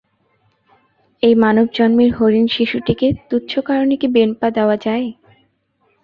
এই মানবজন্মের হরিণশিশুটিকে তুচ্ছ কারণে কি বেনপা দেওয়া যায়।